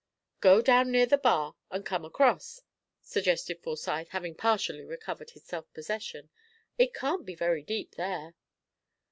"Go down near the bar and come across," suggested Forsyth, having partially recovered his self possession. "It can't be very deep there."